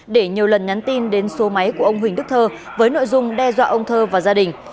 để nhiều lần nhắn tin đến số máy của ông huỳnh đức thơ với nội dung đe dọa ông thơ và gia đình